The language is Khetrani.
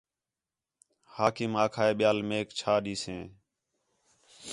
حاکم آکھا ہِے ٻِیال میک چَھا ݙیسن